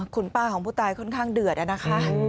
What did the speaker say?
คุณป้าของผู้ตายค่อนข้างเดือดอะนะคะ